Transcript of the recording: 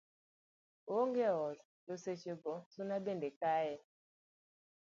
oonge ot to seche go suna bende kaye